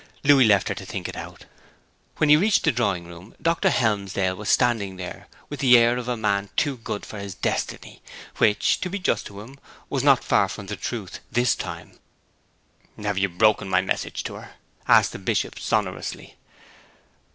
Louis left her to think it out. When he reached the drawing room Dr. Helmsdale was standing there with the air of a man too good for his destiny which, to be just to him, was not far from the truth this time. 'Have you broken my message to her?' asked the Bishop sonorously.